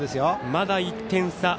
まだ１点差。